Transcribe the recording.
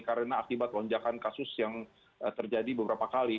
karena akibat lonjakan kasus yang terjadi beberapa kali